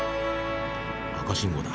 赤信号だ。